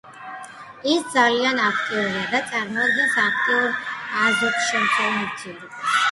ის ძალიან აქტიურია და წარმოადგენს აქტიური აზოტშემცველი ნივთიერებას.